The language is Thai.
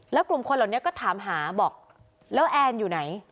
แล้วกลุ่มคนเหล่านี้ก็ถามหาบอกแล้วแอนอยู่ไหน